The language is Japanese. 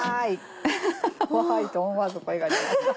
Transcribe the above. ワイと思わず声が出ました。